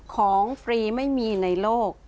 ฟรีไม่มีในโลก